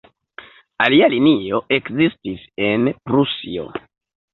Alia linio ekzistis en Prusio.